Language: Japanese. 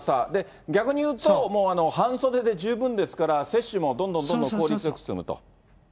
逆に言うと、半袖で十分ですから、接種もどんどんどんどん効率よく進むと。